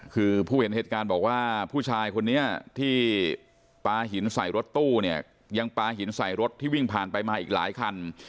คือผู้เห็นเหตุการณ์บอกว่าผู้ชายคนนี้ที่ปลาหินใส่รถตู้เนี่ยยังปลาหินใส่รถที่วิ่งผ่านไปมาอีกหลายคัน